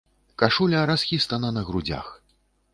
Кашуля расхістана на грудзях.